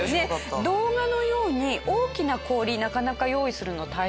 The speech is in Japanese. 動画のように大きな氷なかなか用意するの大変だと思います。